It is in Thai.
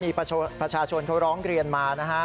มีประชาชนเขาร้องเรียนมานะฮะ